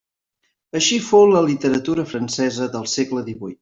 Així fou la literatura francesa del segle divuit.